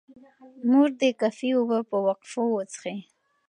مور دې کافي اوبه په وقفو وڅښي.